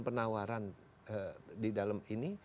penawaran di dalam ini